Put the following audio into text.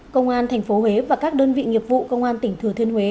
công an tp huế và các đơn vị nghiệp vụ công an tỉnh thừa thiên huế